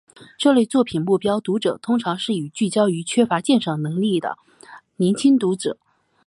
这类作品目标读者通常都是聚焦于缺乏鉴赏能力的年轻读者。